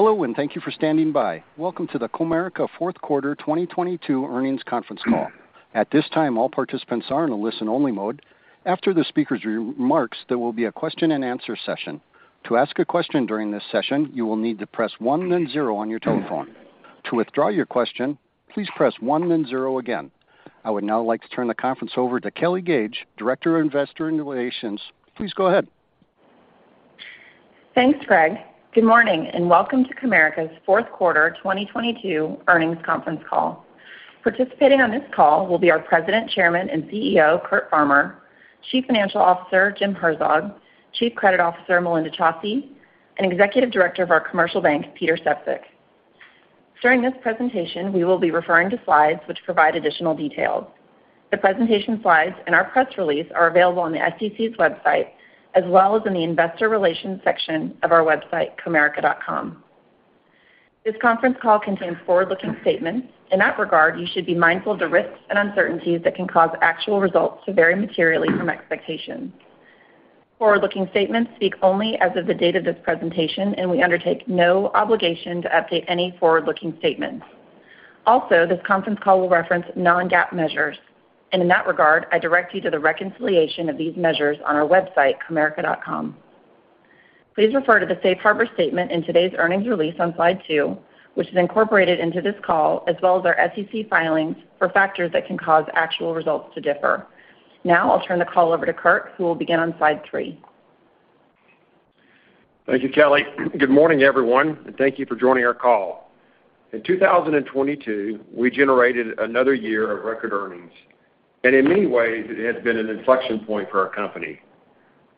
Hello, and thank you for standing by. Welcome to the Comerica Q4 2022 Earnings Conference Call. At this time, all participants are in a listen-only mode. After the speaker's re-remarks, there will be a question-and-answer session. To ask a question during this session, you will need to press one then 0 on your telephone. To withdraw your question, please press one then 0 again. I would now like to turn the conference over to Kelly Gage, Director of Investor Relations. Please go ahead. Thanks, Greg. Good morning, welcome to Comerica's Q4 2022 earnings conference call. Participating on this call will be our President, Chairman, and CEO, Curt Farmer, Chief Financial Officer, Jim Herzog, Chief Credit Officer, Melinda Chausse, and Executive Director of our Commercial Bank, Peter Sefzik. During this presentation, we will be referring to slides which provide additional details. The presentation slides and our press release are available on the SEC's website as well as in the investor relations section of our website, comerica.com. This conference call contains forward-looking statements. In that regard, you should be mindful of the risks and uncertainties that can cause actual results to vary materially from expectations. Forward-looking statements speak only as of the date of this presentation, and we undertake no obligation to update any forward-looking statements. This conference call will reference non-GAAP measures. In that regard, I direct you to the reconciliation of these measures on our website, comerica.com. Please refer to the safe harbor statement in today's earnings release on slide two, which is incorporated into this call as well as our SEC filings for factors that can cause actual results to differ. Now, I'll turn the call over to Curt, who will begin on slide three. Thank you, Kelly. Good morning, everyone, thank you for joining our call. In 2022, we generated another year of record earnings, in many ways, it has been an inflection point for our company.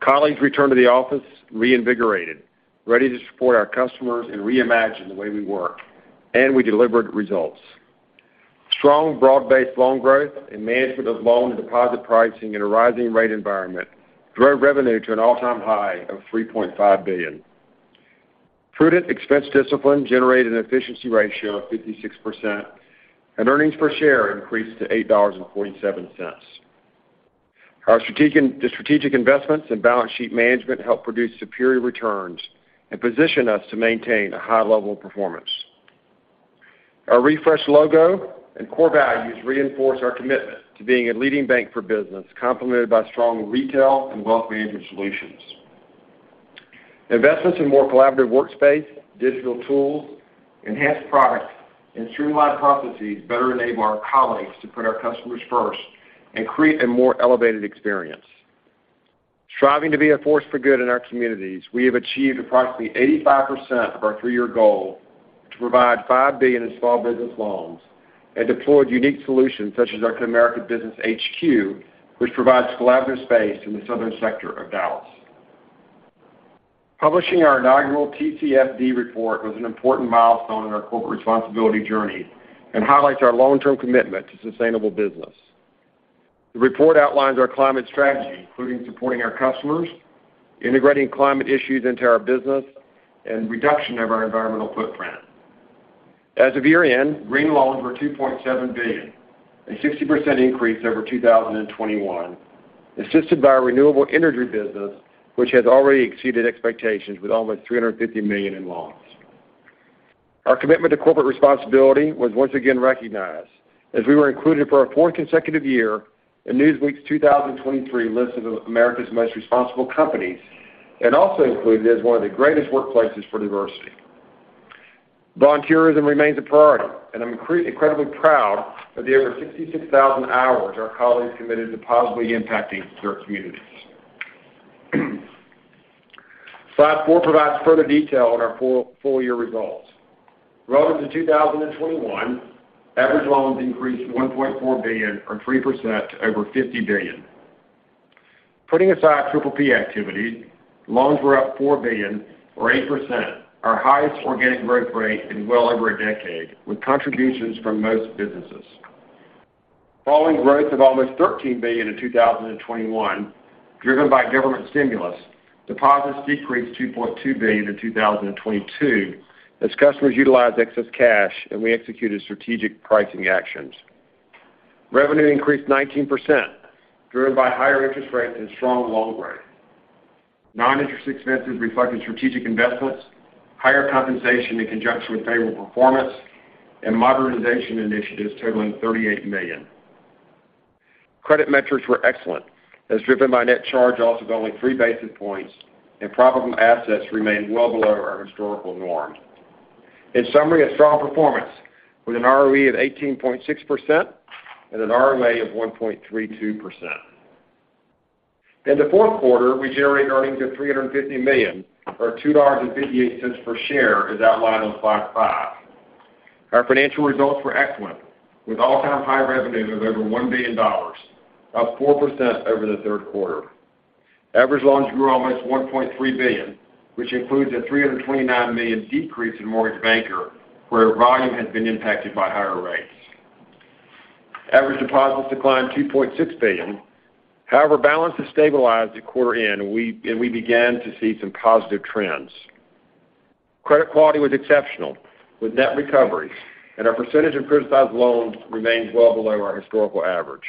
Colleagues returned to the office reinvigorated, ready to support our customers and reimagine the way we work, we delivered results. Strong broad-based loan growth and management of loan deposit pricing in a rising rate environment drove revenue to an all-time high of $3.5 billion. Prudent expense discipline generated an efficiency ratio of 56%, earnings per share increased to $8.47. The strategic investments and balance sheet management helped produce superior returns and position us to maintain a high level of performance. Our refreshed logo and core values reinforce our commitment to being a leading bank for business, complemented by strong retail and wealth management solutions. Investments in more collaborative workspace, digital tools, enhanced products, and streamlined processes better enable our colleagues to put our customers first and create a more elevated experience. Striving to be a force for good in our communities, we have achieved approximately 85% of our three-year goal to provide $5 billion in small business loans and deployed unique solutions such as our Comerica BusinessHQ, which provides collaborative space in the southern sector of Dallas. Publishing our inaugural TCFD report was an important milestone in our corporate responsibility journey and highlights our long-term commitment to sustainable business. The report outlines our climate strategy, including supporting our customers, integrating climate issues into our business, and reduction of our environmental footprint. As of year-end, green loans were $2.7 billion, a 60% increase over 2021, assisted by our renewable energy business, which has already exceeded expectations with almost $350 million in loans. Our commitment to corporate responsibility was once again recognized as we were included for our fourth consecutive year in Newsweek's 2023 list of America's Most Responsible Companies and also included as one of the Greatest Workplaces for Diversity. Volunteerism remains a priority, I'm incredibly proud of the over 66,000 hours our colleagues committed to positively impacting their communities. Slide four provides further detail on our full-year results. Relative to 2021, average loans increased $1.4 billion or 3% to over $50 billion. Putting aside PPP activities, loans were up $4 billion or 8%, our highest organic growth rate in well over a decade, with contributions from most businesses. Following growth of almost $13 billion in 2021, driven by government stimulus, deposits decreased $2.2 billion in 2022 as customers utilized excess cash and we executed strategic pricing actions. Revenue increased 19%, driven by higher interest rates and strong loan growth. Non-interest expenses reflected strategic investments, higher compensation in conjunction with favorable performance, and modernization initiatives totaling $38 million. Credit metrics were excellent, as driven by net charge-offs of only 3 basis points and problem assets remained well below our historical norm. In summary, a strong performance with an ROE of 18.6% and an ROA of 1.32%. In the Q4, we generated earnings of $350 million or $2.58 per share as outlined on slide five. Our financial results were excellent, with all-time high revenue of over $1 billion, up 4% over the Q3. Average loans grew almost $1.3 billion, which includes a $329 million decrease in Mortgage Banker, where volume has been impacted by higher rates. Average deposits declined $2.6 billion. Balances stabilized at quarter end, and we began to see some positive trends. Credit quality was exceptional with net recoveries, and our percentage of criticized loans remains well below our historical average.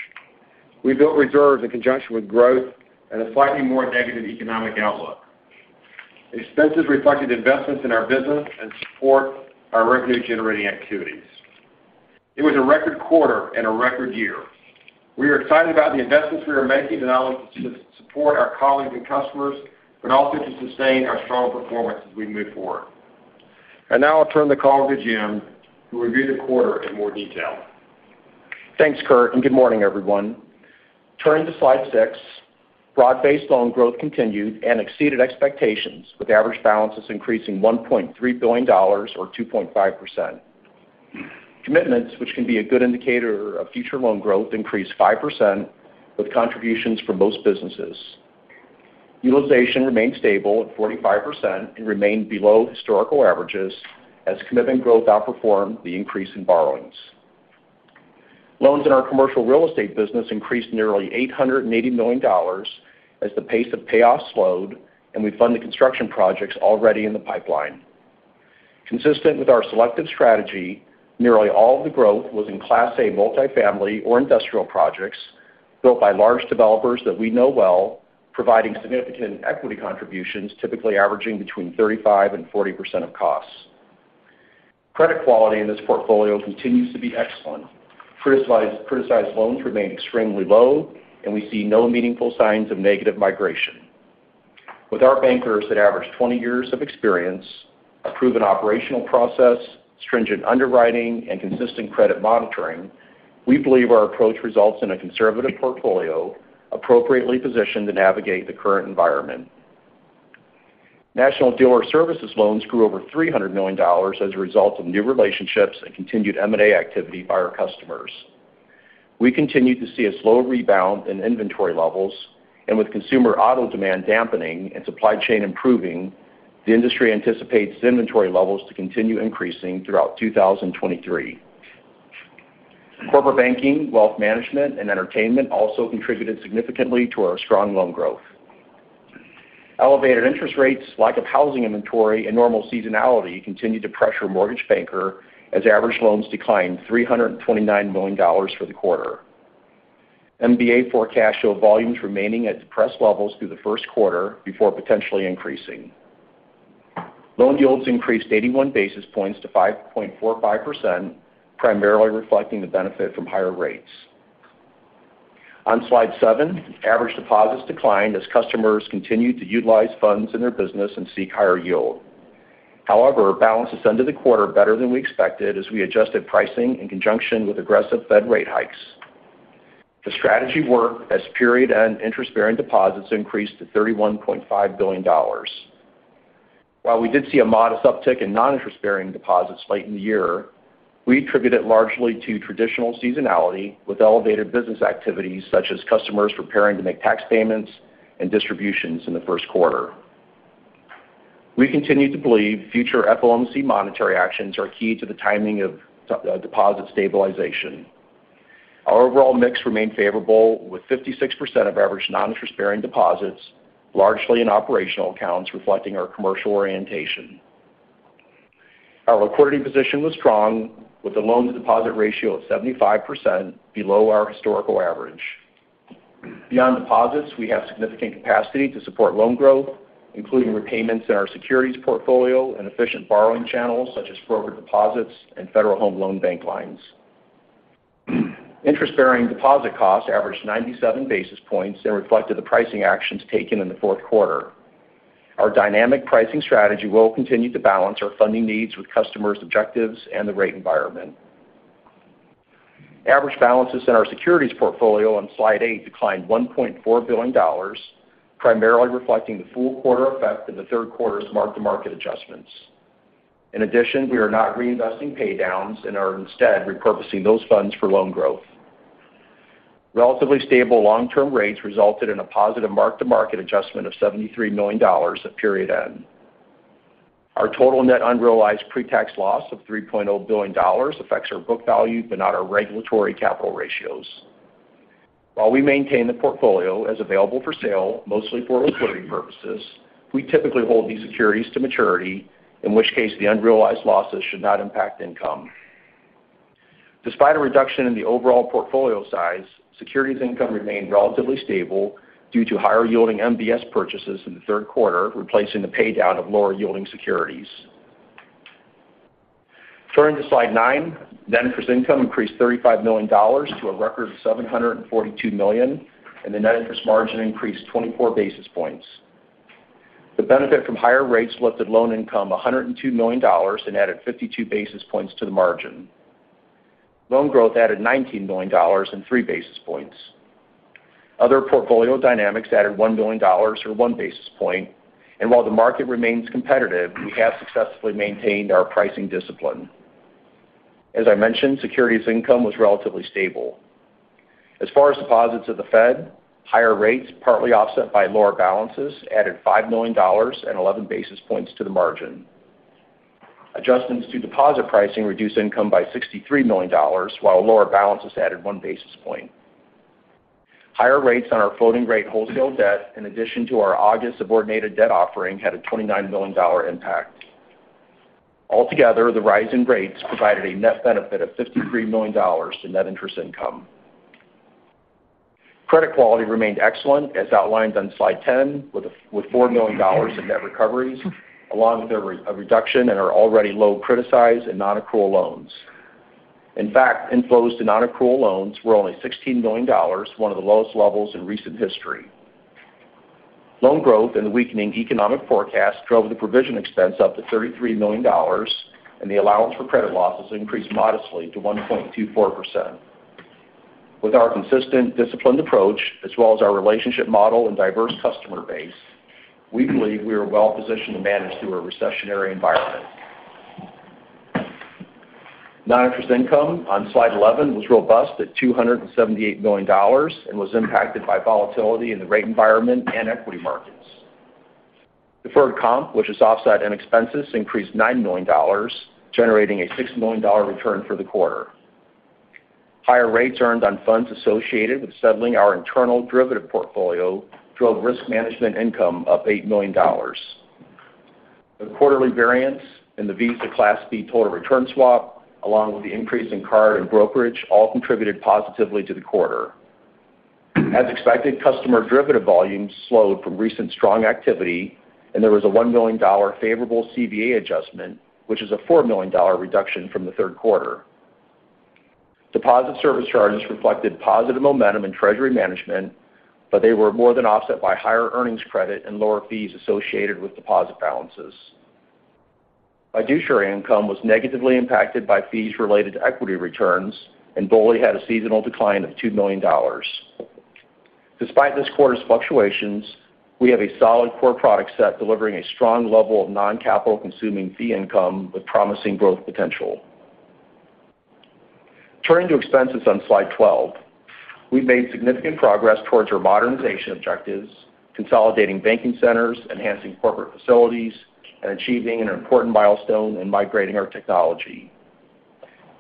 We built reserves in conjunction with growth and a slightly more negative economic outlook. Expenses reflected investments in our business and support our revenue-generating activities. It was a record quarter and a record year. We are excited about the investments we are making not only to support our colleagues and customers, but also to sustain our strong performance as we move forward. Now I'll turn the call to Jim to review the quarter in more detail. Thanks, Curt, and good morning, everyone. Turning to slide six, broad-based loan growth continued and exceeded expectations with average balances increasing $1.3 billion or 2.5%. Commitments, which can be a good indicator of future loan growth, increased 5% with contributions from most businesses. Utilization remained stable at 45% and remained below historical averages as commitment growth outperformed the increase in borrowings. Loans in our commercial real estate business increased nearly $880 million as the pace of payoffs slowed and we fund the construction projects already in the pipeline. Consistent with our selective strategy, nearly all of the growth was in class A multifamily or industrial projects built by large developers that we know well, providing significant equity contributions, typically averaging between 35% and 40% of costs. Credit quality in this portfolio continues to be excellent. Criticized loans remain extremely low, and we see no meaningful signs of negative migration. With our bankers that average 20 years of experience, a proven operational process, stringent underwriting, and consistent credit monitoring, we believe our approach results in a conservative portfolio appropriately positioned to navigate the current environment. National Dealer Services loans grew over $300 million as a result of new relationships and continued M&A activity by our customers. We continue to see a slow rebound in inventory levels, and with consumer auto demand dampening and supply chain improving, the industry anticipates inventory levels to continue increasing throughout 2023. Corporate banking, wealth management, and entertainment also contributed significantly to our strong loan growth. Elevated interest rates, lack of housing inventory, and normal seasonality continued to pressure mortgage banker as average loans declined $329 million for the quarter. MBA forecasts show volumes remaining at depressed levels through the Q1 before potentially increasing. Loan yields increased 81 basis points to 5.45%, primarily reflecting the benefit from higher rates. On slide seven, average deposits declined as customers continued to utilize funds in their business and seek higher yield. Balances ended the quarter better than we expected as we adjusted pricing in conjunction with aggressive Fed rate hikes. The strategy worked as period-end interest-bearing deposits increased to $31.5 billion. We did see a modest uptick in non-interest-bearing deposits late in the year, we attribute it largely to traditional seasonality with elevated business activities such as customers preparing to make tax payments and distributions in the Q1. We continue to believe future FOMC monetary actions are key to the timing of deposit stabilization. Our overall mix remained favorable with 56% of average non-interest-bearing deposits, largely in operational accounts reflecting our commercial orientation. Our liquidity position was strong with a loan-to-deposit ratio of 75% below our historical average. Beyond deposits, we have significant capacity to support loan growth, including repayments in our securities portfolio and efficient borrowing channels such as broker deposits and Federal Home Loan Bank lines. Interest-bearing deposit costs averaged 97 basis points and reflected the pricing actions taken in the Q4. Our dynamic pricing strategy will continue to balance our funding needs with customers' objectives and the rate environment. Average balances in our securities portfolio on slide eight declined $1.4 billion, primarily reflecting the full quarter effect in the Q3's mark-to-market adjustments. In addition, we are not reinvesting paydowns and are instead repurposing those funds for loan growth. Relatively stable long-term rates resulted in a positive mark-to-market adjustment of $73 million at period end. Our total net unrealized pre-tax loss of $3.0 billion affects our book value but not our regulatory capital ratios. While we maintain the portfolio as available for sale, mostly for liquidity purposes, we typically hold these securities to maturity, in which case the unrealized losses should not impact income. Despite a reduction in the overall portfolio size, securities income remained relatively stable due to higher-yielding MBS purchases in the Q3, replacing the paydown of lower-yielding securities. Turning to slide nine, net interest income increased $35 million to a record of $742 million, and the net interest margin increased 24 basis points. The benefit from higher rates lifted loan income $102 million and added 52 basis points to the margin. Loan growth added $19 million and 3 basis points. Other portfolio dynamics added $1 billion or 1 basis point, while the market remains competitive, we have successfully maintained our pricing discipline. As I mentioned, securities income was relatively stable. As far as deposits of the Fed, higher rates partly offset by lower balances added $5 million and 11 basis points to the margin. Adjustments to deposit pricing reduced income by $63 million, while lower balances added 1 basis point. Higher rates on our floating-rate wholesale debt, in addition to our August subordinated debt offering, had a $29 million impact. Altogether, the rise in rates provided a net benefit of $53 million to net interest income. Credit quality remained excellent as outlined on slide 10 with $4 million in net recoveries along with a reduction in our already low criticized and nonaccrual loans. In fact, inflows to nonaccrual loans were only $16 million, one of the lowest levels in recent history. Loan growth and the weakening economic forecast drove the provision expense up to $33 million, and the allowance for credit losses increased modestly to 1.24%. With our consistent disciplined approach as well as our relationship model and diverse customer base, we believe we are well positioned to manage through a recessionary environment. Non-interest income on slide 11 was robust at $278 million and was impacted by volatility in the rate environment and equity markets. Deferred comp, which is offset in expenses, increased $9 million, generating a $6 million return for the quarter. Higher rates earned on funds associated with settling our internal derivative portfolio drove risk management income up $8 million. The quarterly variance in the Visa Class B total return swap, along with the increase in card and brokerage, all contributed positively to the quarter. As expected, customer derivative volumes slowed from recent strong activity, there was a $1 million favorable CVA adjustment, which is a $4 million reduction from the Q3. Deposit service charges reflected positive momentum in treasury management, but they were more than offset by higher earnings credit and lower fees associated with deposit balances. Fiduciary income was negatively impacted by fees related to equity returns, and BOLI had a seasonal decline of $2 million. Despite this quarter's fluctuations, we have a solid core product set delivering a strong level of non-capital consuming fee income with promising growth potential. Turning to expenses on slide 12. We've made significant progress towards our modernization objectives, consolidating banking centers, enhancing corporate facilities, and achieving an important milestone in migrating our technology.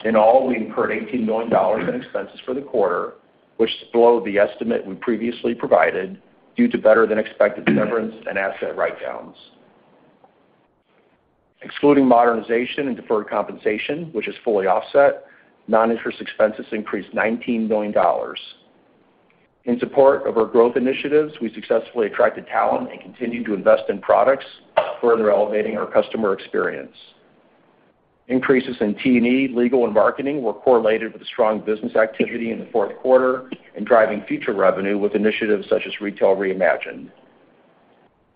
In all, we incurred $18 million in expenses for the quarter, which is below the estimate we previously provided due to better-than-expected severance and asset write-downs. Excluding modernization and deferred compensation, which is fully offset, non-interest expenses increased $19 million. In support of our growth initiatives, we successfully attracted talent and continued to invest in products, further elevating our customer experience. Increases in T&E, legal, and marketing were correlated with the strong business activity in the Q4 and driving future revenue with initiatives such as Retail Reimagined.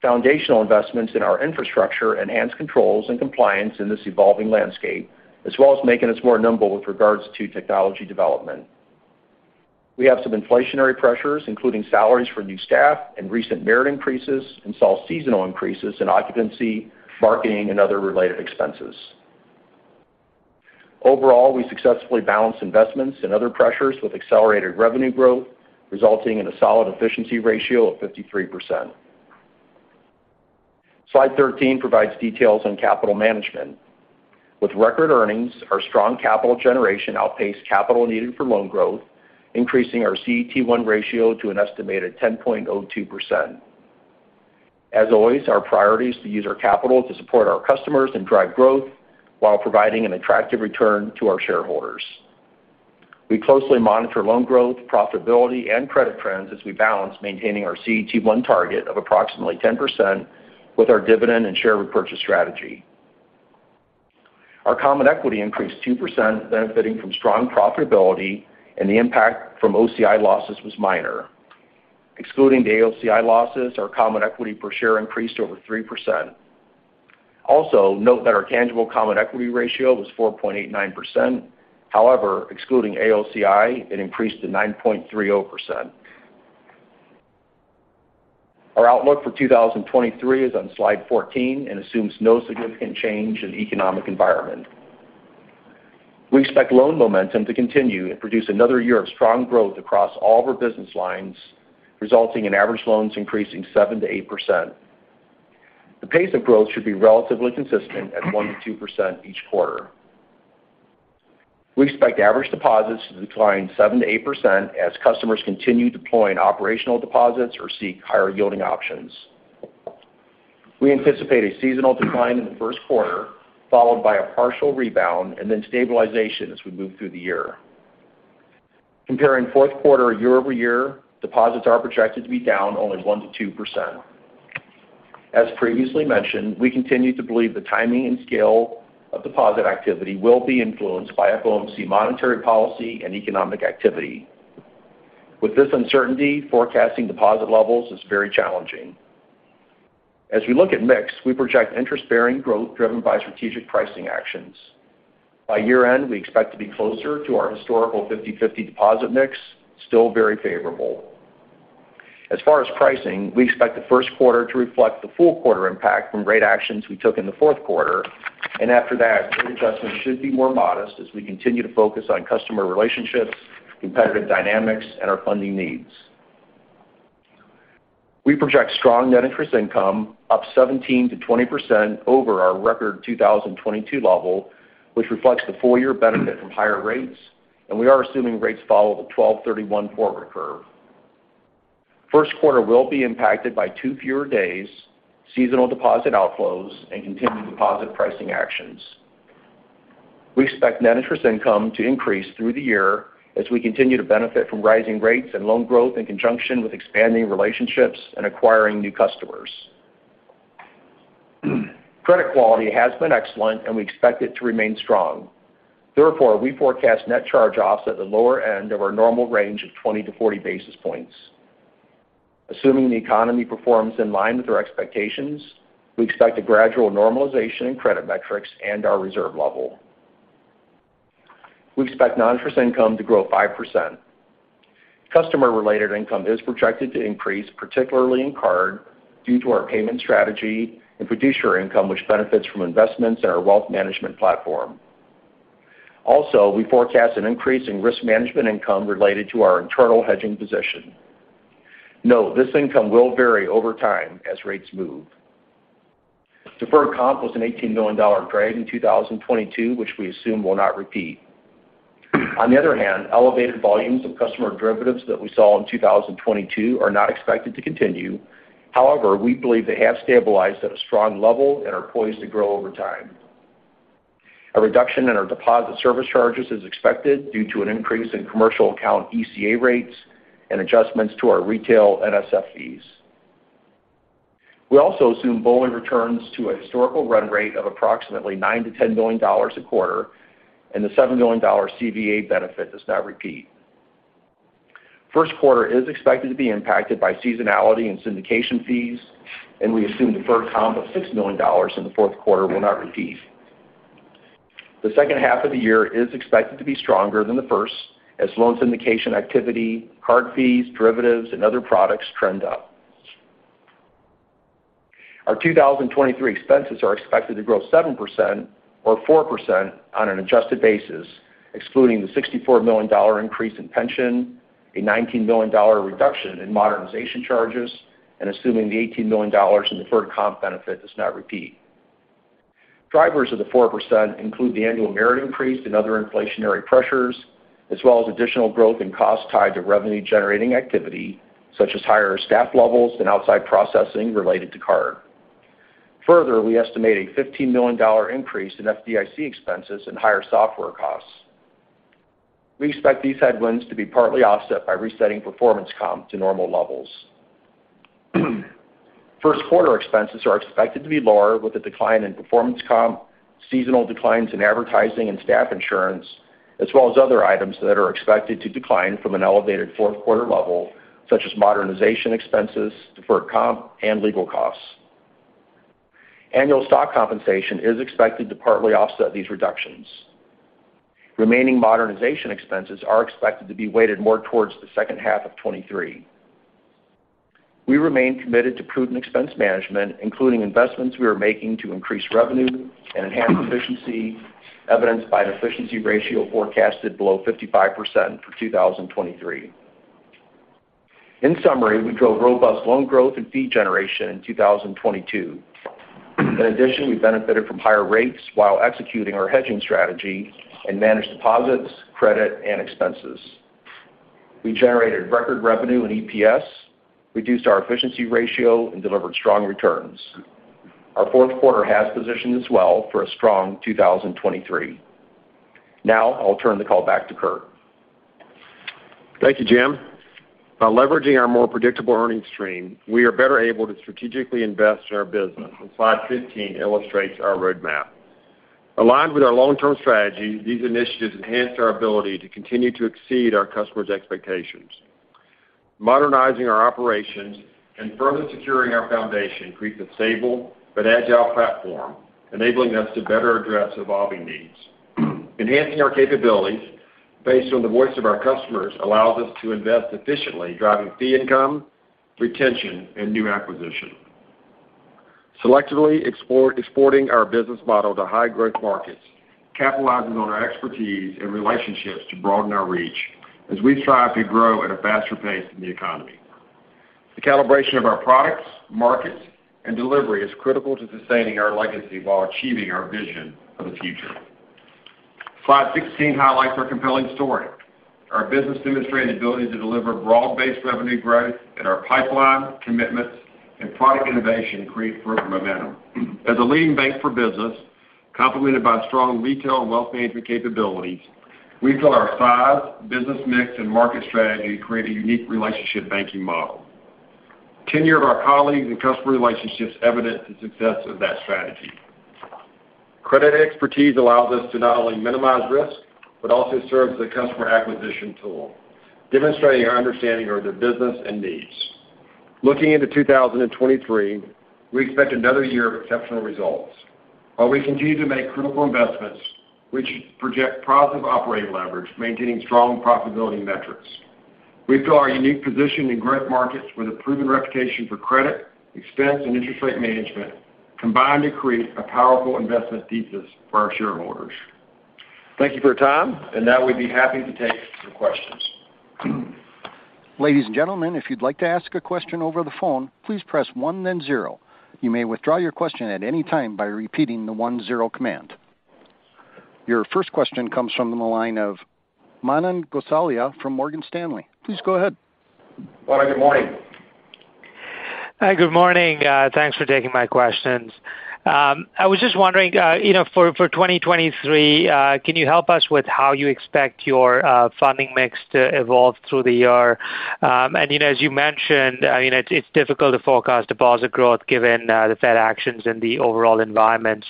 Foundational investments in our infrastructure enhance controls and compliance in this evolving landscape, as well as making us more nimble with regards to technology development. We have some inflationary pressures, including salaries for new staff and recent merit increases and saw seasonal increases in occupancy, marketing, and other related expenses. Overall, we successfully balanced investments and other pressures with accelerated revenue growth, resulting in a solid efficiency ratio of 53%. Slide 13 provides details on capital management. With record earnings, our strong capital generation outpaced capital needed for loan growth, increasing our CET1 ratio to an estimated 10.02%. As always, our priority is to use our capital to support our customers and drive growth while providing an attractive return to our shareholders. We closely monitor loan growth, profitability, and credit trends as we balance maintaining our CET1 target of approximately 10% with our dividend and share repurchase strategy. Our common equity increased 2%, benefiting from strong profitability. The impact from OCI losses was minor. Excluding the AOCI losses, our common equity per share increased over 3%. Note that our tangible common equity ratio was 4.89%. Excluding AOCI, it increased to 9.30%. Our outlook for 2023 is on slide 14 and assumes no significant change in economic environment. We expect loan momentum to continue and produce another year of strong growth across all of our business lines, resulting in average loans increasing 7%-8%. The pace of growth should be relatively consistent at 1%-2% each quarter. We expect average deposits to decline 7%-8% as customers continue deploying operational deposits or seek higher-yielding options. We anticipate a seasonal decline in the Q1, followed by a partial rebound and then stabilization as we move through the year. Comparing Q4 year-over-year, deposits are projected to be down only 1%-2%. As previously mentioned, we continue to believe the timing and scale of deposit activity will be influenced by FOMC monetary policy and economic activity. With this uncertainty, forecasting deposit levels is very challenging. As we look at mix, we project interest-bearing growth driven by strategic pricing actions. By year-end, we expect to be closer to our historical 50/50 deposit mix, still very favorable. As far as pricing, we expect the Q1 to reflect the full quarter impact from rate actions we took in the Q4. After that, rate adjustments should be more modest as we continue to focus on customer relationships, competitive dynamics, and our funding needs. We project strong net interest income up 17%-20% over our record 2022 level, which reflects the full year benefit from higher rates, and we are assuming rates follow the 12/31 forward curve. Q1 will be impacted by two fewer days, seasonal deposit outflows, and continued deposit pricing actions. We expect net interest income to increase through the year as we continue to benefit from rising rates and loan growth in conjunction with expanding relationships and acquiring new customers. Credit quality has been excellent, and we expect it to remain strong. Therefore, we forecast net charge-offs at the lower end of our normal range of 20-40 basis points. Assuming the economy performs in line with our expectations, we expect a gradual normalization in credit metrics and our reserve level. We expect non-interest income to grow 5%. Customer-related income is projected to increase, particularly in card, due to our payment strategy and fiduciary income, which benefits from investments in our wealth management platform. We forecast an increase in risk management income related to our internal hedging position. Note, this income will vary over time as rates move. Deferred comp was an $18 million drag in 2022, which we assume will not repeat. Elevated volumes of customer derivatives that we saw in 2022 are not expected to continue. We believe they have stabilized at a strong level and are poised to grow over time. A reduction in our deposit service charges is expected due to an increase in commercial account ECA rates and adjustments to our retail NSF fees. We also assume BOLI returns to a historical run rate of approximately $9 million-$10 million a quarter, and the $7 million CVA benefit does not repeat. Q1 is expected to be impacted by seasonality and syndication fees, and we assume deferred comp of $6 million in the Q4 will not repeat. The second half of the year is expected to be stronger than the first as loan syndication activity, card fees, derivatives, and other products trend up. Our 2023 expenses are expected to grow 7% or 4% on an adjusted basis, excluding the $64 million increase in pension, a $19 million reduction in modernization charges, and assuming the $18 million in deferred comp benefit does not repeat. Drivers of the 4% include the annual merit increase and other inflationary pressures, as well as additional growth and cost tied to revenue-generating activity, such as higher staff levels and outside processing related to card. Further, we estimate a $15 million increase in FDIC expenses and higher software costs. We expect these headwinds to be partly offset by resetting performance comp to normal levels. Q1 expenses are expected to be lower with a decline in performance comp, seasonal declines in advertising and staff insurance, as well as other items that are expected to decline from an elevated Q4 level, such as modernization expenses, deferred comp, and legal costs. Annual stock compensation is expected to partly offset these reductions. Remaining modernization expenses are expected to be weighted more towards the second half of 2023. We remain committed to prudent expense management, including investments we are making to increase revenue and enhance efficiency, evidenced by an efficiency ratio forecasted below 55% for 2023. In summary, we drove robust loan growth and fee generation in 2022. We benefited from higher rates while executing our hedging strategy and managed deposits, credit, and expenses. We generated record revenue and EPS, reduced our efficiency ratio, and delivered strong returns. Our Q4 has positioned us well for a strong 2023. I'll turn the call back to Curt. Thank you, Jim. By leveraging our more predictable earnings stream, we are better able to strategically invest in our business, and slide 15 illustrates our roadmap. Aligned with our long-term strategy, these initiatives enhance our ability to continue to exceed our customers' expectations. Modernizing our operations and further securing our foundation creates a stable but agile platform, enabling us to better address evolving needs. Enhancing our capabilities based on the voice of our customers allows us to invest efficiently, driving fee income, retention, and new acquisition. Selectively exporting our business model to high-growth markets, capitalizing on our expertise and relationships to broaden our reach as we strive to grow at a faster pace than the economy. The calibration of our products, markets, and delivery is critical to sustaining our legacy while achieving our vision for the future. Slide 16 highlights our compelling story. Our business demonstrated the ability to deliver broad-based revenue growth, and our pipeline, commitments, and product innovation create further momentum. As a leading bank for business, complemented by strong retail and wealth management capabilities, we feel our size, business mix, and market strategy create a unique relationship banking model. Tenure of our colleagues and customer relationships evident the success of that strategy. Credit expertise allows us to not only minimize risk but also serves as a customer acquisition tool, demonstrating our understanding of their business and needs. Looking into 2023, we expect another year of exceptional results while we continue to make critical investments which project positive operating leverage, maintaining strong profitability metrics. We feel our unique position in growth markets with a proven reputation for credit, expense, and interest rate management combine to create a powerful investment thesis for our shareholders. Thank you for your time, and now we'd be happy to take some questions. Ladies and gentlemen, if you'd like to ask a question over the phone, please press one then 0. You may withdraw your question at any time by repeating the one 0 command. Your first question comes from the line of Manan Gosalia from Morgan Stanley. Please go ahead. Manan, good morning. Hi, good morning. Thanks for taking my questions. I was just wondering, you know, for 2023, can you help us with how you expect your funding mix to evolve through the year? You know, as you mentioned, I mean, it's difficult to forecast deposit growth given the Fed actions and the overall environment.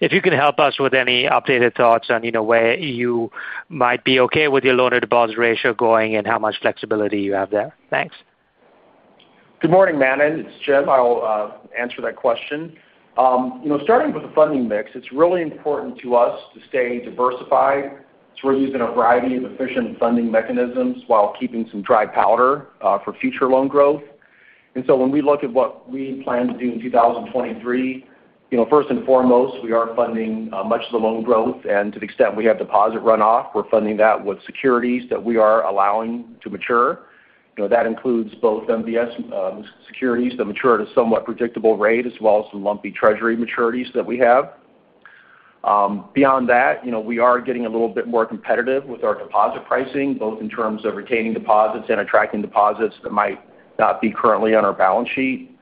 If you can help us with any updated thoughts on, you know, where you might be okay with your loan-to-deposit ratio going and how much flexibility you have there. Thanks. Good morning, Manan. It's Jim. I'll answer that question. You know, starting with the funding mix, it's really important to us to stay diversified. We're using a variety of efficient funding mechanisms while keeping some dry powder for future loan growth. When we look at what we plan to do in 2023, you know, first and foremost, we are funding much of the loan growth. To the extent we have deposit runoff, we're funding that with securities that we are allowing to mature. You know, that includes both MBS, securities that mature at a somewhat predictable rate, as well as some lumpy Treasury maturities that we have. Beyond that, you know, we are getting a little bit more competitive with our deposit pricing, both in terms of retaining deposits and attracting deposits that might not be currently on our balance sheet.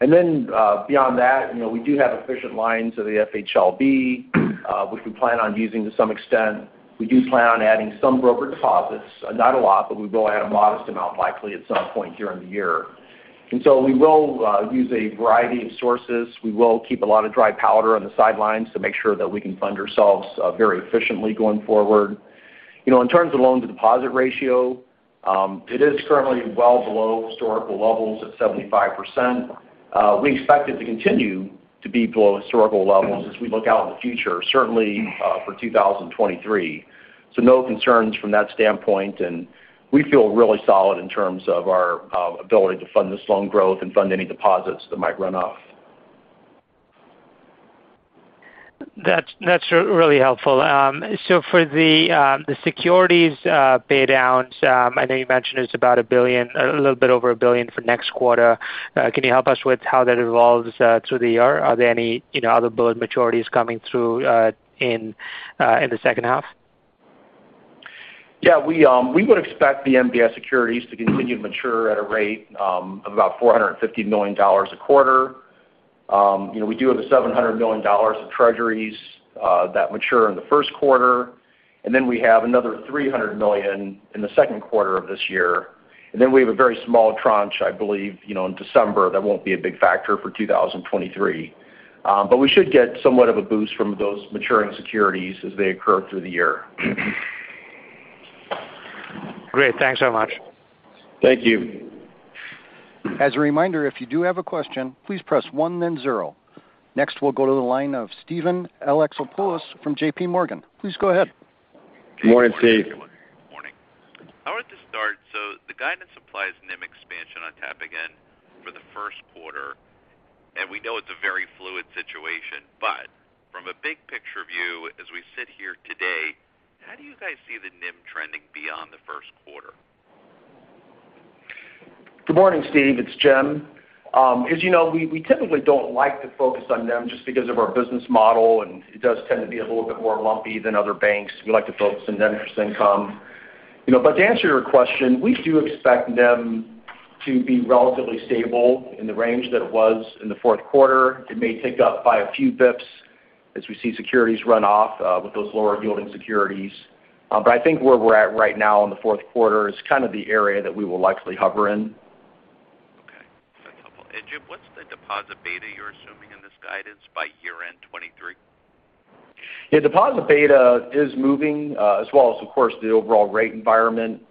Beyond that, you know, we do have efficient lines of the FHLB, which we plan on using to some extent. We do plan on adding some broker deposits. Not a lot, but we will add a modest amount likely at some point during the year. We will use a variety of sources. We will keep a lot of dry powder on the sidelines to make sure that we can fund ourselves very efficiently going forward. You know, in terms of loan-to-deposit ratio, it is currently well below historical levels at 75%. We expect it to continue to be below historical levels as we look out in the future, certainly, for 2023. No concerns from that standpoint. We feel really solid in terms of our ability to fund this loan growth and fund any deposits that might run off. That's really helpful. For the securities pay downs, I know you mentioned it's about $1 billion, a little bit over $1 billion for next quarter. Can you help us with how that evolves through the year? Are there any, you know, other bullet maturities coming through in the second half? Yeah. We would expect the MBS securities to continue to mature at a rate of about $450 million a quarter. you know, we do have $700 million of Treasuries that mature in the Q1, we have another $300 million in the Q2 of this year. we have a very small tranche, I believe, you know, in December that won't be a big factor for 2023. We should get somewhat of a boost from those maturing securities as they occur through the year. Great. Thanks so much. Thank you. As a reminder, if you do have a question, please press one then zero. Next, we'll go to the line of Steven Alexopoulos from JPMorgan. Please go ahead. Good morning, Steven. Morning. I wanted to start. The guidance implies NIM expansion on tap again for the Q1. We know it's a very fluid situation, but from a big picture view, as we sit here today, how do you guys see the NIM trending beyond the Q1? Good morning, Steven. It's Jim. As you know, we typically don't like to focus on NIM just because of our business model. It does tend to be a little bit more lumpy than other banks. We like to focus on net interest income. You know, to answer your question, we do expect NIM to be relatively stable in the range that it was in the Q4. It may tick up by a few bips as we see securities run off with those lower yielding securities. I think where we're at right now in the Q4 is kind of the area that we will likely hover in. Okay, that's helpful. Jim, what's the deposit beta you're assuming in this guidance by year-end 2023? Deposit beta is moving, as well as, of course, the overall rate environment.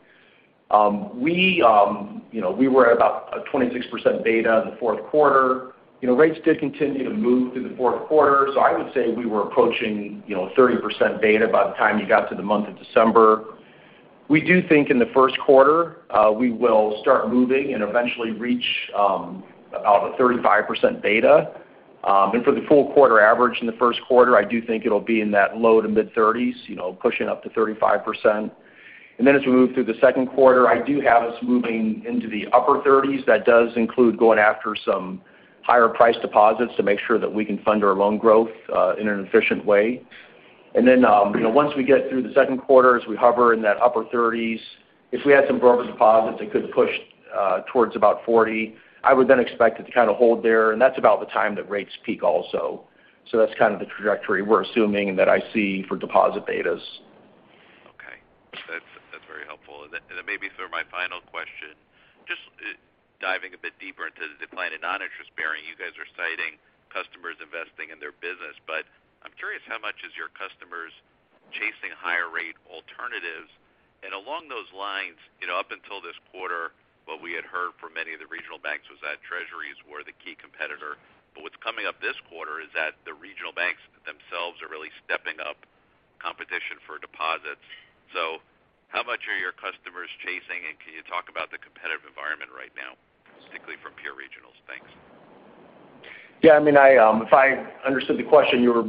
We, you know, we were at about a 26% beta in the Q4. You know, rates did continue to move through the Q4. I would say we were approaching, you know, 30% beta by the time you got to the month of December. We do think in the Q1, we will start moving and eventually reach, about a 35% beta. For the full quarter average in the Q1, I do think it'll be in that low to mid-30s, you know, pushing up to 35%. As we move through the Q2, I do have us moving into the upper 30s. That does include going after some higher priced deposits to make sure that we can fund our loan growth in an efficient way. You know, once we get through the Q2, as we hover in that upper 30s, if we had some broker deposits, it could push towards about 40. I would then expect it to kind of hold there, and that's about the time that rates peak also. That's kind of the trajectory we're assuming and that I see for deposit betas. Okay. That's very helpful. Maybe for my final question, just diving a bit deeper into the declining non-interest bearing. You guys are citing customers investing in their business, but I'm curious how much is your customers chasing higher rate alternatives? Along those lines, you know, up until this quarter, what we had heard from many of the regional banks was that Treasuries were the key competitor. What's coming up this quarter is that the regional banks themselves are really stepping up competition for deposits. How much are your customers chasing, and can you talk about the competitive environment right now, particularly from pure regionals? Thanks. Yeah, I mean, I, if I understood the question, you were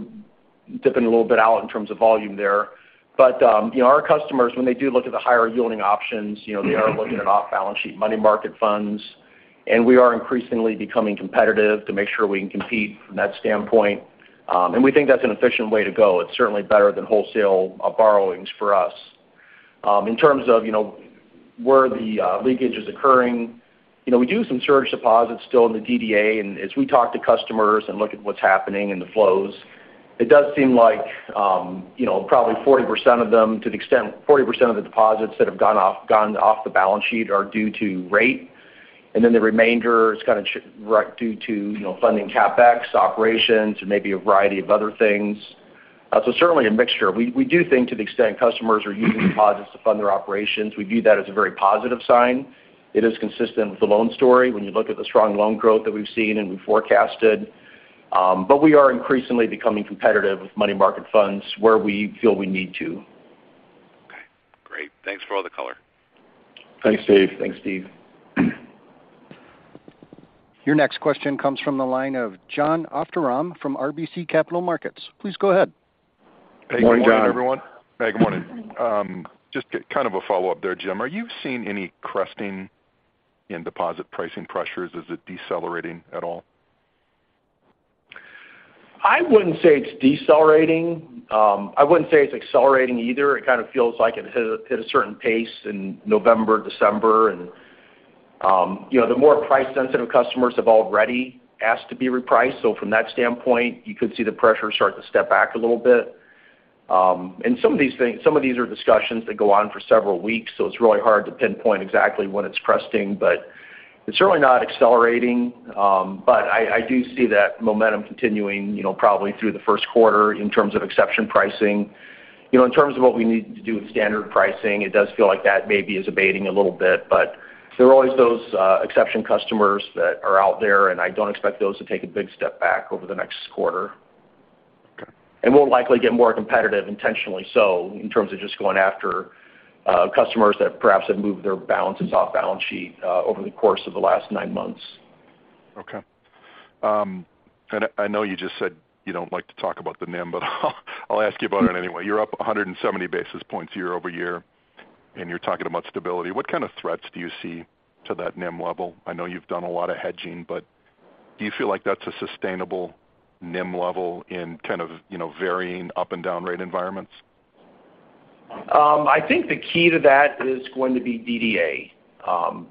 dipping a little bit out in terms of volume there. You know, our customers when they do look at the higher yielding options, you know, they are looking at off-balance sheet money market funds. We are increasingly becoming competitive to make sure we can compete from that standpoint. We think that's an efficient way to go. It's certainly better than wholesale borrowings for us. In terms of, you know, where the leakage is occurring, you know, we do some surge deposits still in the DDA. As we talk to customers and look at what's happening in the flows, it does seem like, you know, probably 40% of them to the extent 40% of the deposits that have gone off, gone off the balance sheet are due to rate. Then the remainder is kind of right due to, you know, funding CapEx operations and maybe a variety of other things. Certainly a mixture. We do think to the extent customers are using deposits to fund their operations, we view that as a very positive sign. It is consistent with the loan story when you look at the strong loan growth that we've seen and we forecasted. But we are increasingly becoming competitive with money market funds where we feel we need to. Okay, great. Thanks for all the color. Thanks, Steven. Thanks, Steven. Your next question comes from the line of Jon Arfstrom from RBC Capital Markets. Please go ahead. Good morning, Jon. Good morning, everyone. Jim, good morning. Just kind of a follow-up there, Jim. Are you seeing any cresting in deposit pricing pressures? Is it decelerating at all? I wouldn't say it's decelerating. I wouldn't say it's accelerating either. It kind of feels like it hit a certain pace in November, December. You know, the more price-sensitive customers have already asked to be repriced. From that standpoint, you could see the pressure start to step back a little bit. Some of these are discussions that go on for several weeks, so it's really hard to pinpoint exactly when it's cresting. It's certainly not accelerating. I do see that momentum continuing, you know, probably through the Q1 in terms of exception pricing. You know, in terms of what we need to do with standard pricing, it does feel like that maybe is abating a little bit. There are always those, exception customers that are out there, and I don't expect those to take a big step back over the next quarter. Okay. We'll likely get more competitive intentionally so in terms of just going after, customers that perhaps have moved their balances off balance sheet, over the course of the last 9 months. Okay. I know you just said you don't like to talk about the NIM, but I'll ask you about it anyway. You're up 170 basis points year-over-year, and you're talking about stability. What kind of threats do you see to that NIM level? I know you've done a lot of hedging, do you feel like that's a sustainable NIM level in kind of, you know, varying up and down rate environments? I think the key to that is going to be DDA.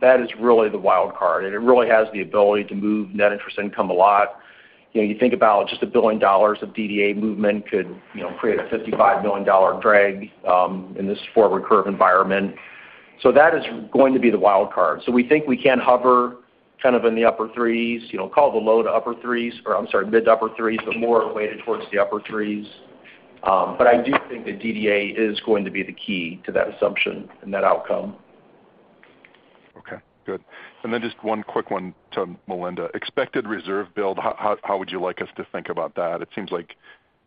That is really the wild card, and it really has the ability to move net interest income a lot. You know, you think about just $1 billion of DDA movement could, you know, create a $55 million drag in this forward curve environment. That is going to be the wild card. We think we can hover kind of in the upper threes, you know, call it the low to upper threes or, I'm sorry, mid to upper threes, but more weighted towards the upper threes. I do think the DDA is going to be the key to that assumption and that outcome. Okay, good. Then just one quick one to Melinda. Expected reserve build, how would you like us to think about that? It seems like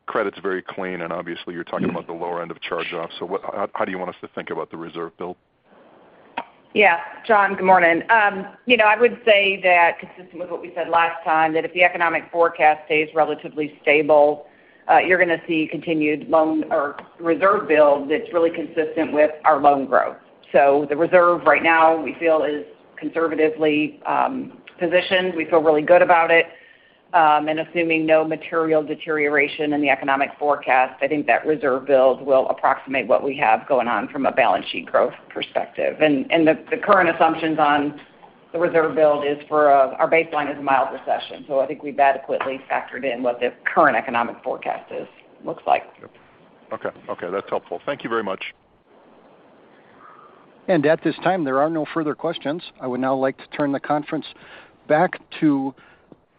credit's very clean, and obviously, you're talking about the lower end of charge-offs. So how do you want us to think about the reserve build? Yeah. Jon, good morning. You know, I would say that consistent with what we said last time, that if the economic forecast stays relatively stable, you're gonna see continued loan or reserve build that's really consistent with our loan growth. The reserve right now we feel is conservatively positioned. We feel really good about it. Assuming no material deterioration in the economic forecast, I think that reserve build will approximate what we have going on from a balance sheet growth perspective. The current assumptions on the reserve build is for our baseline is a mild recession. I think we've adequately factored in what the current economic forecast is, looks like. Okay. Okay, that's helpful. Thank you very much. At this time, there are no further questions. I would now like to turn the conference back to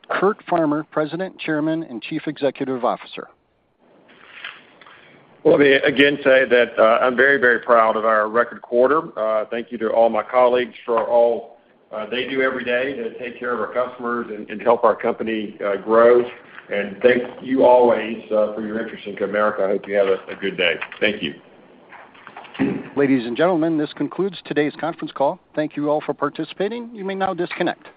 Curt Farmer, President, Chairman, and Chief Executive Officer. Well, let me again say that, I'm very, very proud of our record quarter. Thank you to all my colleagues for all they do every day to take care of our customers and help our company grow. Thank you always for your interest in Comerica. I hope you have a good day. Thank you. Ladies and gentlemen, this concludes today's conference call. Thank you all for participating. You may now disconnect.